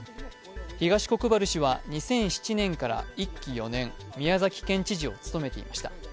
東国原氏は２００７年から１期４年、宮崎県知事を務めていました。